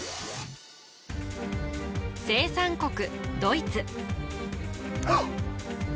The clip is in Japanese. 生産国ドイツ・はっ！